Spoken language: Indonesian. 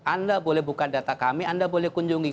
anda boleh buka data kami anda boleh kunjungi